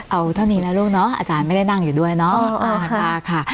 เอาเท่านี้นะลูกเนาะอาจารย์ไม่ได้นั่งอยู่ด้วยเนาะ